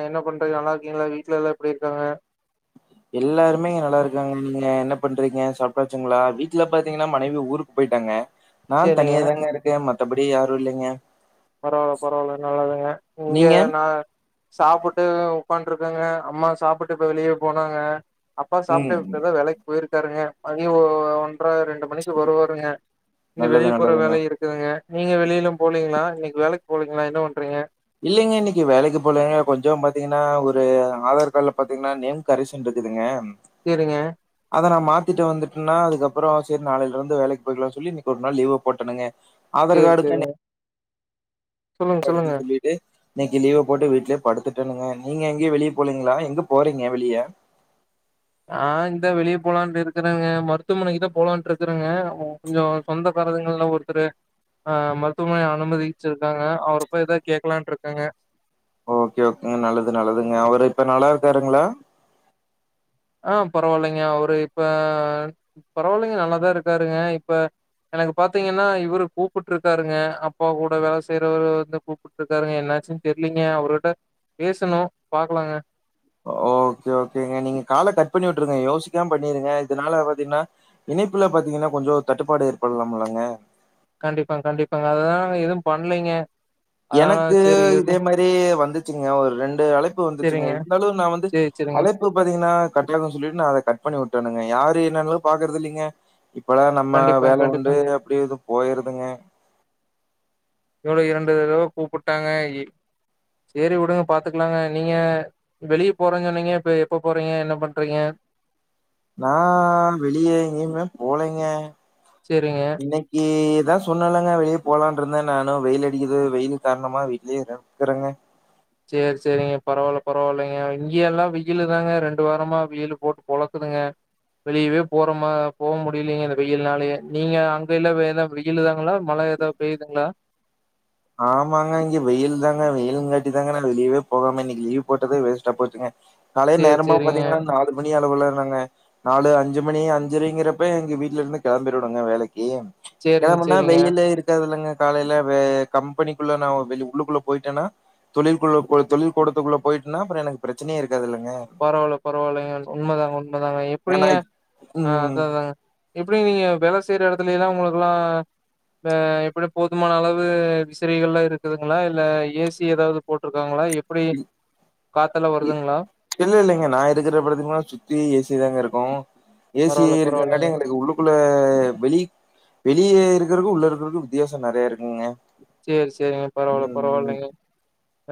என்ன பண்றீங்க நல்லா இருக்கீங்களா வீட்ல எல்லா எப்டி இருக்காங்க எல்லாருமே நல்லா இருக்காங்கநீங்க என்ன பண்றீங்க சாப்டாசுங்களா வீட்டுல பாத்தீங்கனா மனைவி ஊருக்கு போயிட்டாங்க நா சேரிங்க தனியா தாங்க இருக்கே மத் த்தபடி யாரு இல்லங்க பரவால பரவால நல்லதுங்க இங்க நீங்க? நா சாப்பிட்டு உக்கான்ட்ருக்கேங்க அம்மா சாப்பிட்டு இப்ப வெளிய போனாங்க அப்பா சாப்டு ம். இப்பதா வேலைக்கு போயிருக் டாருங்க மனி ஓ ஒ அப்றோ ரெண்டு மணிக்கு வருவாருங்க இங்க நல்லது, வெளிய போற நல்லதுங்க. வேலயு இருக்குதுங்க நீங்க வெளியலா போலீங்களா இன்னக் வேலைக்கு போலீங்களா என்ன பண்றீங்க இல்லைங்க இன்னைக்கு வேலைக்கு போலங்க கொஞ்சோ பாத்தீங்கன்னா ஒரு ஆதார் கார்டுல பாத்தீங்கன்னா நேம் கரிசன் இருக்குதுங்க. சேரிங்க. அதனா மாத்திட்டு வந்துட்டேனா அதுக்கப்பறோ சரி நாளைல இருந்து வேலைக்கு போய்க்கலான் சொல்லி இன்னைக்கு ஒரு நாள் லீவ போட்டேனுங்க ஆதார் சேரி கார்டுக்கு சேரி ஓகே நேம் [unintelligible] சொல்லிட்டு இன்னைக்கு லீவ போட்டு வீட்லே படுத்துட்டேனுங்க நீங்க எங்கயு வெளிய போலீங்களா எங்க போறீங்க வெளிய ஆ இந்தா வெளிய போலான் இருக்கிறேங்க மருத்துவமனைக்குதா போலான்ட்டு இருக்கறேங்க கொஞ்சோ சொந்த காரதுங்கள்ல ஒருத்தர் ஆ மருத்துவமனைல அனுமதிச்சிருக்காங்க அவரப்போய் ஏதா கேக்கலான்ட் இருக்கங்க ஓகே ஓகேங்க நல்லது நல்லதுங்க அவரு இப்ப நல்லா இருக்காருங்களா ஆ பரவாயில்லைங்க அவரு இப்ப பரவாயில்லைங்க நல்லாதா இருக்காருங்க இப்ப எனக்கு பாத்தீங்கன்னா இவரு கூப்பிட்ருக்காருங்க அப்பா கூட வேல செய்றவரு வந்து கூப்பிட்ருக்காருங்க என்னாச்சுன்னு தெரியலீங்க அவர்கிட்ட பேசணு பாக்கலாங்க ஓகே ஓகேங்க நீங்க கால கட் பண்ணி விட்டுருங்க யோசிக்காம பண்ணிருங்க இதனால பாத்தீங்கன்னா இணைப்புல பாத்தீங்கன்னா கொஞ்சோ தட்டுப்பாடு ஏற்படலாம்லங்க கண்டிப்பா கண்டிப்பாங்க அததா எது பண்ணலீங்க எனக்கு இதே மாரி வந்து ச்சிங்கா ஒரு ரெண் டு அழைப்பு வந்துச்சுங்க சரிங்க. இருந்தாலு நா வந்து சரி, சரிங்க. அழைப்பு பாத்தீங்கனா கட்லனு சொல்லிட்டு நா அத கட் பண்ணி விட்டனுங்க யாரு என்னன்லா பாக்குறதில்லெங்க இப்பல்லா நம்ம கண்டிப்பாங்க, வேல உண்டு கண்டிப்பாங்க. அப்டி இது போயிருதுங்க இதோட இரண்டு தடவ கூப்புட்டாங்க எ சேரி வுடுங்க பாத்துக்லாங்க நீங்க வெளிய போறன் சொன்னீங்க இப்ப எப்ப போறீங்க? என்ன பண்றீங்க? நா வெளிய எங்யுமே போலங்க சரிங்க. இன்னக்கிதா சொன்னல்லங்க வெளிய போலான்ருந்தே நானு வெயில் அடிக்குது வெயில் காரணமா வீட்லயேரு ருக்குறேங்க சேர் செரிங்க பரவால்ல பரவால்லங்க இங்கயெல்லா வெயிலுதாங்க ரெண்டு வாரமா வெயிலு போட்டு பொளக்குதுங்க வெளியவே போறமா போ முடியலிங்க இந்த வெயில்னாலயே நீங்க அங்க எல்லா எல்லா வெயிலு தாங்களா மழ எதா பெய்யுதுங்ளா? ஆமாங்க இங்க வெயில் தாங்க வெயிலுங்காட்டிதாங்க நா வெளியவே போகாம இன்னைக்கி லீவ் போட்டதே வேஸ்ட்டா போச்சுங்க காலை சேரி நேரமா சேரிங்க பாத்தீங்கனா நாலு மணி அளவுல னங்க நாலு அஞ்சு மணி அஞ்சுரைங்கிறப்ப எங்க வீட்லருந்து கெளம்பிருவனுங்க வேலை க்கி சேரிங்க கெளம்புனா சேரிங்க வெயிலே இருக்காதுல்லங்க காலைல வே கம்பெனிக்குள்ள நா வெளி உள்ளுக்குள்ள போயிட்டேனா தொழில்குள்ள தொழில் கூடத்துக்குள்ள போயிட்டேனா அப்பற எனக்கு பிரச்சனையே இரு பரவால்ல பரவால்லைங்க உண்மதாங்க உண்மதாங்க ஏன்னா எப்டிங்க இப் ஆ ம். அதாதாங்க எப்டி நீங்க வேல செய்ற எடத்துலைலா உங்களுக்லா வ எப்டி போதுமான அளவு விசிறகள்லா இருக்குதுங்ளா இல்ல ஏ சி எதாவ்து போட்ருக்காங்ளா எப் புடி இ காத்தலா வருதுங்ளா? இல்லெல்லங்க நா இருக்குற படத்துக்லா சுத்தி ஏ சி தாங்க இருக்கு ஏ சி பரவால்ல பரவால்லைங்க இருக்கங்காட்டி எங்களுக்கு உள்ளுக்குள்ள வெளி வெளிய இரு க்குறக்கு உள்ள இருக்கறக்கு வித்தியாச நறைய இருக்குங்க சேர் சேரிங்க பரவால்ல ம் ம் பரவால்லைங்க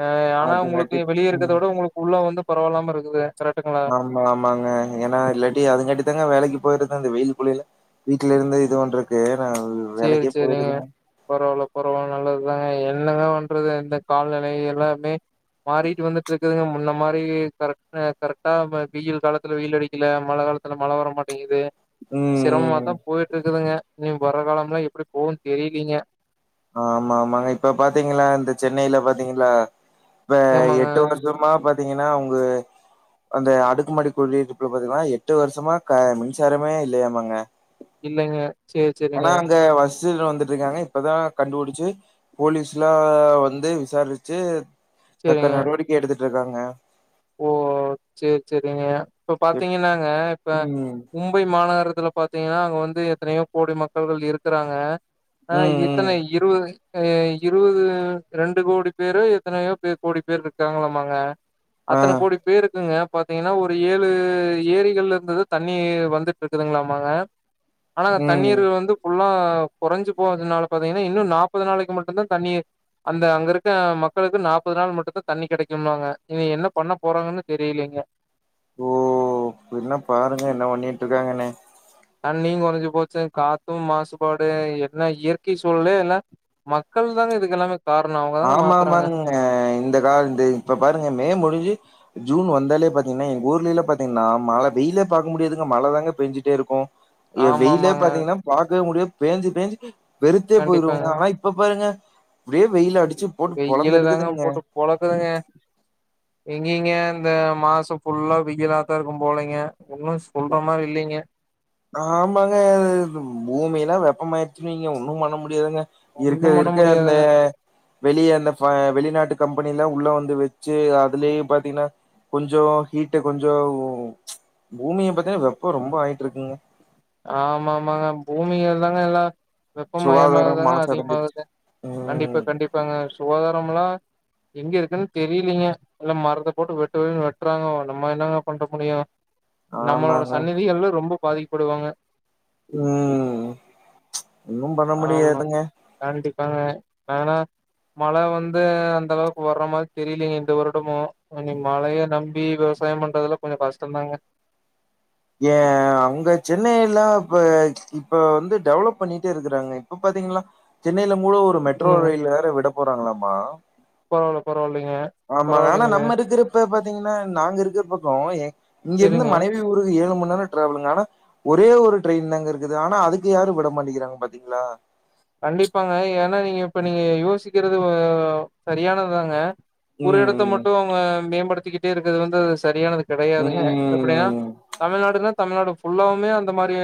ஆ ஆனா உங்களுக்கு அதுங்காட்டி வெளிய இருக்கத ம் விட உங்களுக்கு உள்ள வந்து பரவால்லாம இருக்குது கரெக்ட்டுங்களா ஆமா ஆமாங்க ஏனா இல்லாட்டி அதுங்காட்டி தாங்க வேலைக்கு போயறது இந்த வெயில் புழியல வீட்லருந்து இது பண்றக்கு நா சேரி வேலைக்கே சேரிங்க போயிருதுங்க பரவால்ல பரவால் நல்லது அதாங்க என்னங்க பண்றது இந்த கால்நிலை எல்லாமே மாறிட்டு வந்துட்டு இருக்குதுங்க முன்ன மாரி கரெக் கரெக்டா வெயில் காலத்துல வெயில் அடிக்கல மழ காலத்துல மழ வரமாட்டெங்கிது ம் ம் சிரமமாதா போயிட்ருக்குதுங்க இனி வர காலம் லா எப்டி போகுன் தெரிலீங்க ஆமா ஆமாங்க இப்ப பாத்தீங்களா இந்த சென்னைல பாத்தீங்களா இப்ப ஆமாங்க எட்டு வருஷமா பத் பாத்தீங்கன்னா உங்க அந்த அடுக்குமாடி குடியிருப்புல பாத்தீங்கன்னா எட்டு வருஷமா மின்சாரமே இல்லியாமுங்க இல்லங்க சேர் சரிங்க சீடுறோ வந்து இருக்கேங்க இப்பதா கண்டுபுடிச்சு போலீஸ்லாவந்து விசாரிச்சு தக்க சேரிங்க நடவடிக்கை எடுத்துட்டு ருக்காங்க ஓ சேர் செரிங்க இப்ப எப் பாத்தீங்கன்னாங்க இப்ப ம் மும்பை மாநகரத்துல பாத்தீங்கன்னா சோ வந்து எத்தனையோ கோடி மக்கள்கள் இருக்குறாங்க ஆ ம் ம் இத்தான இருவது இருவது ரெண்டு கோடி பேரு எத்தனையோ பேர் கோடி பேரு இருக்காங்கிளாமாங்க ஆ அத்தன கோடி பேருக்குங்க பாத்தீங்கன்னா ஒரு ஏழு ஏரிகள்ல இருந்துது தண்ணி வந்துட்டு இருக்குதுங்கிளாமங்க ஆனா ம் தண்ணீர் வந்து ஃபுல்லா குறைஞ்சு போதுனால பாத்தீங்கன்னா இன்னு நாப்பது நாளைக்கு மட்டு தா தண்ணீர் அந்த அங்க இருக்க மக்களுக்கு நாப்பது நாள் மட்டுதா தண்ணி கெடைக்குமாங்க இனிமே என்ன பண்ண போறாங்கன்னு தெரிலிங்க ஓ என்ன பாருங்க என்ன பண்ணிட்டு இருக்காங்கன்னு தண்ணியு குறைஞ்சு போச்சு காத்தும் மாசுபாடு என்ன இயற்கை சூழ்ல இல்ல மக்கள் தான இதுக்கு எல்லாமே காரணோ அவங்கதாங்க ஆமா மாத்துறாங்க ஆமாங்க இந்த கால இந்த இப்ப பாருங்க மே முடிஞ்சு ஜூன் வந்தாலே பாத்தீங்கன்னா எங்க ஊர்லல்ல பாத்தீங்கன்னா மழை வெயிலே பாக்க முடியது மழ தாங்க பெஞ்சுட்டே இருக்கு வெயிலே ஆமாமாங்க பாத்தீங்கன்னா பாக்வே முடிய பேஞ்சு பேஞ்சு வெருத்தே கண்டிப்பாங்க. போயிருங்க ஆனா இப்ப பாருங்க ஓரே வெயில் அடி வெயிலு தாங்க போட்டு பொளக்குதுங்க எங்கங்க இந்த மாசம் ஃபுல்லா வெயிலாத்தா இருக்கு போலங்க ஒன்னு சொல்ற மாரி இல்லிங்க ஆமாங்க அ பூமி எல்லா வெப்பமாயிச்சுன்னு வைங்க ஒன்னு பண்ண முடியாதுங்க இருக்க ஒண்ணும் பண்ண இருக்க முடியாது. அந்த வெளிய அந்த ப வெளிநாட்டு கம் பனில்லா உள்ள வந்து வச்சு அதுலேயே பாத்தீங்கன்னா கொஞ்சோ ஹீட்டு கொஞ்ச பூமிய பாத்தீங்கன்னா வெப்ப ரொம்ப வாங்கிட் இருக்குங்க ஆமா ஆமாங்க பூமிகள் தாங்க எல்லா வெப்பம் சுகாதாரம் மயமாகதாங்க மாசு அடைஞ்சிருச்சு அதிகமாகுது கண்டிப்பா ம் கண்டிப்பாங்க சுகாதார முல்லா எங்க இருக்குன் தெரிலீங்க எல்லா மரத்தை போட்டு வெட்டுவேன் வெட்டுறாங்க நம்ம என்னங்க பண்ண முடியும் நம்மளோட ஆமாங்க சன்னிதிகள் ரொம்ப பாதிக்கப்படுவாங்க ம் ஒன்னும பண்ண முடியாதுங்க காங்க ஆனா மழை வந்து அந்தளவுக்கு வர்ற மாதிரி தெரியலங்க இந்த வருடமும் இன்னும் நீ மழையே நம்பி விவசாயம் பண்றதுல கொஞ்சம் கஷ்டம்தாங்க ஏன் அங்க சென்னையெல்லா இப்ப இப்ப வந்து டெவலப் பண்ணிட்டே இருக்கிறாங்க இப்ப பாத்தீங்கனா சென்னையில கூட ஒரு மெட்ரோ சொல்லுங்க ரயில் வேற விட போறாங்களாமா பரவால்ல பரவால்லைங்க ஆமாங்க ஆனா பரவால்லைங்களே நம்ம இருக்கிறப்ப பாத் தீங்கன்னா நாங்க இருக்குற பக்கம் இங்க இருந்து செரிங்க மனைவி ஊர் ஏழு மணி நேர டிராவலுங்க ஆனா ஒரே ஒரு ட்ரெயின் தாங்க இருக்குது ஆனா அதுக்கு யாரும் விட மாட்டேங்கறாங்க பாத்தீங்களா கண்டிப்பாங்க ஏன்னா நீங்க இப்ப நீங்க யோசிக்கிறது சரியானதாங்க ஒரு இடத்த ம் மட்டும் மேம்படுத்திக்கிட் டு இருக்குது வந்து அது சரியானது ம் கெடையாதுங்க எப்படின்னா ம் தமிழ்நாடுன்னா தமிழ்நாடு ஃபுல்லாவுமே அந்த மாதிரி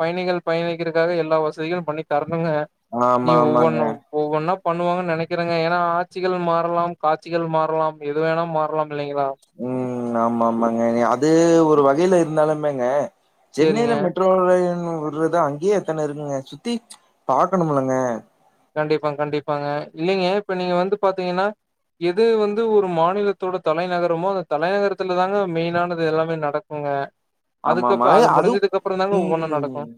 பயணிகள் பயணிக்கிறதுக்காக எல்லா வசதிகளும் பண்ணி தர னுங்க நீ ஆமா ஒவ்வொன் ஆமாங்க ஒவ்வொன்னா பண்ணுவாங்கு நினைக்கிறேங்க ஏன்னா ஆட்சிகள் மாறலாம் காட்சிகள் மாறலாம் எது வேணா மாறலாம் இல்லைங்களா ம் ஆமா ஆமாங்க அது ஒரு வகையில இருந்தாலுமேங்க சேரிங்க. சென்னையில மெட்ரோ ரயில் உடுறது அங்கேயே எத்தனை இருக்குங்க சுத்தி பாக்கணும்லங்க கண்டிப்பா கண்டிப்பாங்க இல்லைங்க இப்ப நீங்க வந்து பாத்தீங்கன்னா எது வந்து ஒரு மாநிலத்தோட தலைநகரமோ அந்த தலைநகரத்துல தாங்க மெயின்னானது எல்லாமே நடக்குங்க ஆமாமா அதுக்கப்புற அது அதுவும் முடிஞ்சதுக்கு அப்புறம் தாங்க ஒவ்வொன்னும் நடக்கும். ம்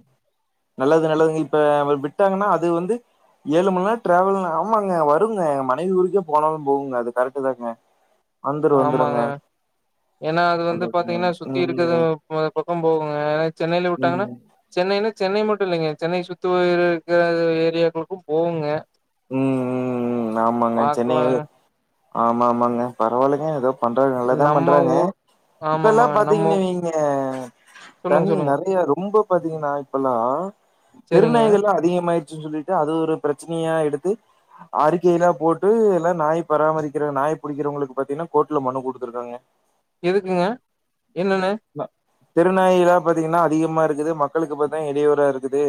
நல்லது நல்லதுங்க இப்ப விட்டாங்கன்னா அது வந்து ஏழு மணி நேர டிராவல் ஆமாங்க வருங்க மனைவி ஊருக்கே போனாலும் போகுங்க அது கரெக்ட்டு தாங்க வந்துரு வந்துருங்க ஆமாங்க ஏன்னா அது வந்து நல்லதுங்க பாத்தீங்கன்னா சுத்தி இருக்குது ம் பக்கம் போகுங்க ஏனா சென்னையில ம் விட்டாங்கன்னா சென்னையில சென்னை மட்டும் இல்லைங்க சென்னை சுத்துய இருக்க ஏரியாக்களுக்கும் போகுங்க ம் ம் ம் ஆமாங்க சென்னை பாக்கலாங்க. ஆமா ஆமாங்க பரவாயில்லைக ஏதோ பண்றாங்க நல்ல தான் நம்ம பண்றாங்க ஊர் இப்ப எல்லா‌ ஆமாமா. நம்ம பாத்தீங்கன்னு ஊ- வைங்க சொல்லுங்க, தண்ணி சொல்லுங்க. நறைய ரொம்ப பாத்தீங்கன்னா இப்பல்லா சரிங்க. தெருநாய்கள் அதிகமாயிருச் சொல்லிட்டு அது ஒரு பிரச்சனையா எடுத் து அறிக்கைய எல்லா போட்டு எல்லாம நாய் பராமரிக்கிற நாய் பிடிக்கிறவங்களுக்கு பாத்தீங்கன்னா கோர்ட்ல மனு குடுத்துருக்காங்க எதுக்குங்க என்னன்னு தெருநாயிலா பாத்தீங்கன்னா அதிகமா இருக்குது மக்களுக்கு பாத்தீங்கன்னா இடையூரா இருக்குது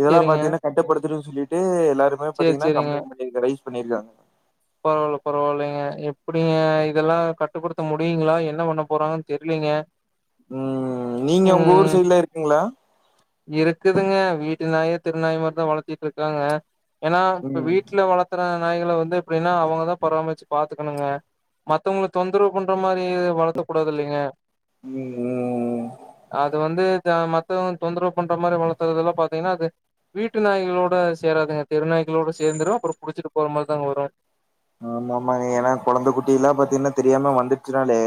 இதெல்லா சரிங்க. பாத்தீங்கன்னா [unintelligible] சொல்லிட்டு எல்லாருமே சரி, பாத்தீங்கன்னா கம்ப்ளைன்ட் பண்ணி இருக்காங்க கடைசி பண்ணிருக்காங்க பரவாயில்ல பரவாயில்லைங்க எப்டிங்க இதெல்லா கட்டுபடுத்த முடியுங்களா என்ன பண்ண போறாங்கன்னு தெரிலீங்க ம் நீங்க உங்க ஊர் சைட்ல இருக்கீங்களா இருக்குதுங்க வீட்டு நாயே தெருநாய் மாரி தா வளர்த்திட்டு இருக்காங்க ஏன்னா இப்ப ம் வீட்ல வளத்துற நாய்கள வந்து எப்டின்னா அவங்கதா பராமச்சி பாத்துக்கணுங்க மத்தவங்களுக்கு தொந்தரவு பண்ற மாரி வளர்த்தக் கூடாது இல்லைங்க ம் ம் அது வந்து தா மத்தோன் தொந்தரவு பண்ற மாரி வளர்த்துறதெல்லா பாத்தீங்கன்னா அது வீட்டு நாய்களோட சேராதுங்க தெருநாய்களோட சேர்ந்துரு அப்புற புடிச்சிட்டு போற மாரி தாங்க வரும் ஆமா ஆமாங்க ஏன்னா கொழந்த குட்டி எல்லா பாத்தீங்கன்னா தெரியாம வந்துச்சினாலே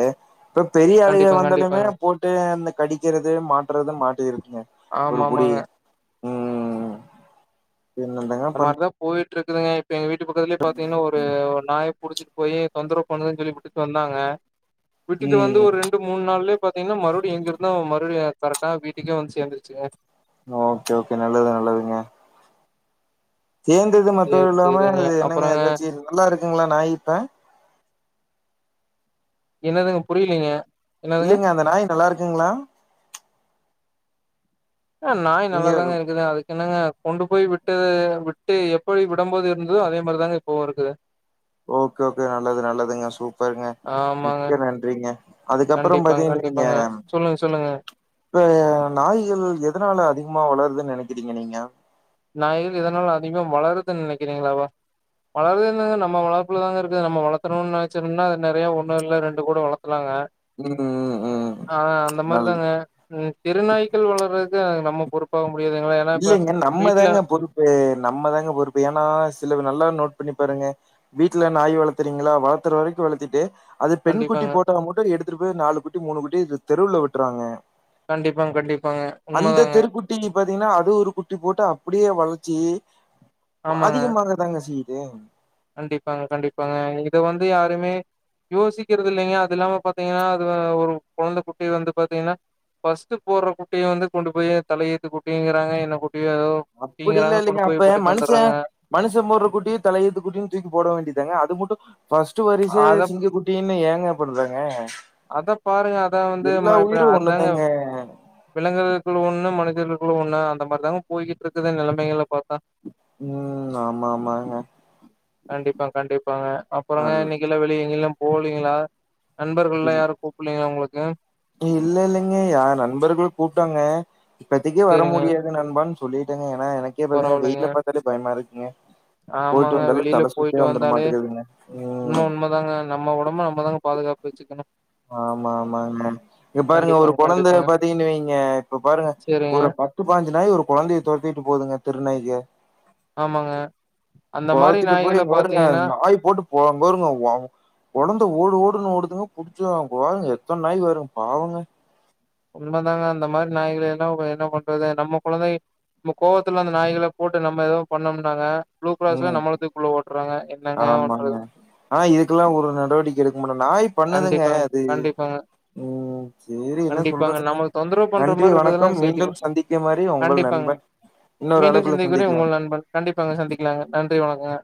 இப்ப பெரிய அளுக கண்டிப்பா வந்தனுமே கண்டிப்பாங்க போட்டு இந்த கடிக்கிறது மாட்றது மாட்டு இருக்குங்க ஒரு ஆமா புடி ஆமாங்க ம் என்னதாங்க பண் டு இருக்குங்க எங்க வீட்டு பக்கத்துலயே பாத்தீங்கன்னா ஒரு நாய் புடிச்சிட்டு போய் தொந்தரவு பண்ணுதுன்னு சொல்லி விட்டுட்டு வந்தாங்க விட்டுட்டு வந்து ம் ஒரு ரெண்டு மூணு நாள்லயே பாத்தீங்கன்னா மறுபடி எங்கிருந்தோ மறுபடி கரெட்டா வீட்டுக்கே வந்து சேர்ந்துருச்சுங்க ஓகே ஓகே நல்லது நல்லதுங்க சேர்ந்தது மத்த சேரி இல்லாம சேரிங்க அது என்னங்க அப்புறங்க ஏதாச்சு நல்லா இருக்கு இருங்களா நாய் இப்ப என்னதுங்க புரிலீங்க இல்லைங்க அந்த நாய் நல்லா இருக்குங்களா ஆ நாய் நீங்க நல்லாதாங்க இருக்குது அதுக் என்னங்க கொண்டு போய் விட்டு விட்டு எப்டி விடபோது இருந்ததோ அதே மாரிதாங்க இப்போவு இருக்கு ஓகே ஓகே நல்லது நல்லதுங்க சூப்பருங்க ஆமாங்க மிக்க நன்றிங்க அதுக்கப்பறோ கண்டிப்பாங்க பாத்தீங்க நீங்க கண்டிப்பாங்க சொல்லுங்க சொல்லுங்க இப்ப நாய்கள் எதனால அதிகமா வளருதுன்னு நெனைக் க்கிடிங்க நீங்க நா இரு இதனால அதிக வளருதுன்னு நெனைக்கிறீங்களாவா வளருதுன்னு நம்ம வளப்புல தாங்க இருக்கு நம்ம வளத்துருன்னு நெனைச்சோம்னா அது நெறைய ஒன்னா இல்ல ரெண்டு கூட வளத்துலாங்க ம் ம் ம் ஆ அந்த நல் மாரிதாங்க தெருநாய்கள் வளர்றது நம்ம பொறுப்பாவும் முடியுதுங்களா ஏனா இப்ப இல்லைங்க நம்ம வீட்ல தாங்க பொறுப்பு நம்ம தாங்க பொறுப்பு ஏனா சிலது நல்லா நோட் பண்ணி பாருங்க வீட்ல நாய் வளத்துறீங்களா வளத்தற வரைக்கு வளத்துட்டு அது பெண் குட்டி கண்டிப்பாங்க போட்டா மட்டு எடுத் இத்துரு பெர்நாலு குட்டி மூணு குட்டி தெருல விட்றாங்க கண்டிப்பாங்க கண்டிப்பாங்க உண்மதாங்க தெருக்குட்டி பாத்தீங்கன்னா அது ஒரு குட்டி போட்டு அப்டியே வளச்சி ஆமாங்க அதிகமாகதாங்க சீ ஏ கண்டிப்பாங்க கண்டிப்பாங்க இத வந்து யாருமே யோசிக்கிறது இல்லங்க அது இல்லாம பாத்தீங்கன்னா அது ஒரு குழந்தை குட்டி வந்து பாத்தீங்கன்னா ஃபஸ்ட் போற குட்டிய வந்து கொண்டு போய் தலையேத்து குட்டிங்கறாங்க என்ன குட்டி அப்டி இல்ல இல்லங்க அப்ப மனுஷ வந்துடுறாங்க மனுஷன் போடுற குட்டி தலை எழுத்து குட்டின்னு தூக்கி போட வேண்டியதாங்க அது மட்டு ஃபஸ்ட் வரிச அத சிங்க குட்டின்னு ஏங்க பண்றாங்க அத பாருங்க அதா வந்து எல்லா உயிரும் அதாங்க ஒண்ணுதாங்க விலங்குகளுக்கு ஒண்ணு மன விலந்கு ஒன்னா அந்த மாரி தாங்க போயிட்டு இருக்குது நெலமைகள பாத்தா ம் ஆமா ஆமாங்க கண்டிப்பா கண்டிப்பாங்க அப்பறங்க நல் இன்னைக்குல வெளிய எங்கிலும் போலீங்களா நன் இப்பெர்ல்லயா யாரும் கூப்பல்லயா உங்களுக்கு [unintelligible] இ இல்ல இல்லங்க யார் நண்பர்கள் கூப்ட்டாங்க இப்பதைக்கு வர சேரிங்க முடியாது நண்பன் சொல்லிட்டேங்கயா னே எனக்கே பாத்தீங்கன்ன பரவாயில்லைங்க வெயிட்ல பாத்தாலே பயமா இருக்கு ஆமாங்க வெளில போயிட்டு வந்துர வந்தாலே மாட்டேங்குதுங்க உண்மை ம் உண்மை தாங்க நம்ம உடம்ப நம்மதாங்க பாதுகாப்பு வச்சுக்கனும் ஆமா ஆமா ஆ இப்ப பாருங்க ஒரு கண்டிப்பாங்க கொழந்தைய கண்டிப்பாங்க பாத்தீங்கன்னா வைங்க இப்ப பாருங்க சேரிங்க ஒரு பத்து பதினாஞ்சு நாய் ஒரு கொழந்தைய துரத்திட்டு போதுங்க தெருநாய்க ஆமாங்க அந்த மாரி துரத்துட்டு போய் நாய்கள அங்க பாருங்க பாத்தீங்கன்னா நாய் போட்டு போ அங்க பாருங்க கொழந்த ஓடு ஓடுன்னு ஓடுதுங்க புடிச்ச அவங்க பாருங்க எத்தன நாய் வரும் பாவங்க உண்மை தாங்க அந்த மாரி நாய்களை எல்லா என்ன பண்றது நம்ம கொழந்தை நம்ம கோவத்துல அந்த நாய்கள போட்டு நம்ம எதுவும் பண்ணோம்னாங்க ப்ளூ கிரஸ்ல ம் நம்மள தூக்கி உள்ள போட்டுருவாங்க ஆமாங்க ஆ இதுக்கெல்லாம் ஒரு நடவடிக்கை எடுக்க மாட்டாங்க நாய் பண்ணுதுங்க கண்டிப்பாங்க அது கண்டிப்பாங்க ம் என்ன கண்டிப்பாங்க சொல்றதுங்க நமக்கு தொந்தரவு பண்ற நன்றி மாரி இருக்கதெல்லாம் வணக்கம் சேர்த்தி மீண்டும் சந்திக்குமாறு உங்கள் கண்டிப்பாங்க நண்பன் இன்னொரு மீண்டும் அழைப்புல சந்திக்கும் வரை சந்திக்கலாம் உங்கள் நண்பன் கண்டிப்பாங்க சந்திக்கலாங்க நன் நன்றி வணக்கங்க